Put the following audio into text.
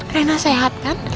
rena sehat kan